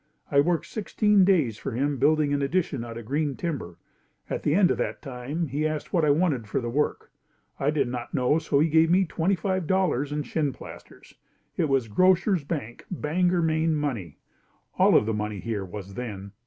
I worked sixteen days for him building an addition out of green timber. At the end of that time he asked what I wanted for the work. I did not know so he gave me $25.00 in shin plasters. It was Grocers Bank, Bangor, Maine money. All of the money here was then.